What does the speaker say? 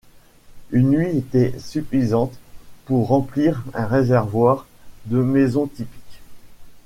Une nuit était suffisante pour remplir un réservoir de maison typique.